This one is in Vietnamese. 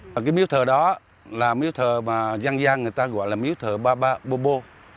cái miếu thờ đó là miếu thờ mà gian gian người ta gọi là miếu thờ ba ba bô bô